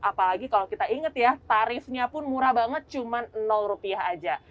apalagi kalau kita inget ya tarifnya pun murah banget cuma rupiah aja